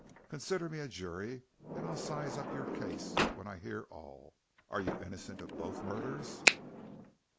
"Consider me a jury and I'll size up your case, when I hear all. Are you innocent of both murders?"